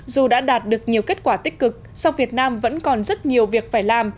dù đã đạt được nhiều kết quả tích cực song việt nam vẫn còn rất nhiều việc phải làm